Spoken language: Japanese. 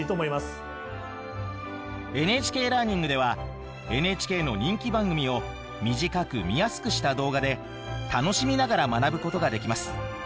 ＮＨＫラーニングではＮＨＫの人気番組を短く見やすくした動画で楽しみながら学ぶことができます。